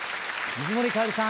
水森かおりさん